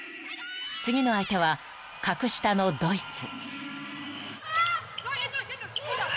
［次の相手は格下のドイツ］